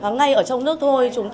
ngay ở trong nước thôi